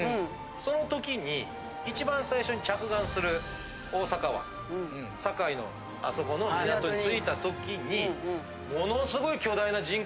その時に一番最初に着岸する大阪湾堺のあそこの港に着いた時に。